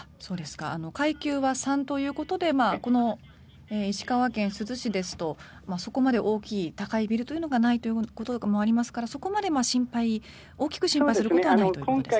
階級は３ということでこの石川県珠洲市ですとそこまで大きい、高いビルがないということもありますからそこまで大きく心配することはないということですね。